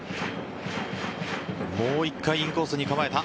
もう１回インコースに構えた。